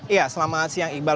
ya selamat siang iqbal